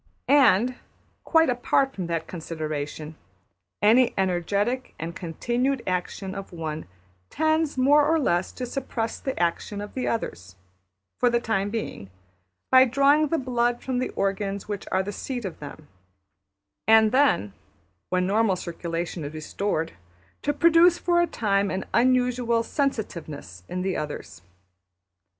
And, quite apart from that consideration, any energetic and continued action of one tends more or less to suppress the action of the others, for the time being, by drawing the blood from the organs which are the seat of them; and then, when normal circulation is restored, to produce for a time an unusual sensitiveness in the others.